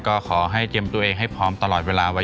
ก็ขอให้เตรียมตัวเองให้พร้อมตลอดเวลาไว้